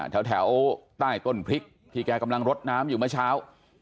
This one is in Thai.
แถวใต้ต้นพริกที่แกกำลังรดน้ำอยู่เมื่อเช้า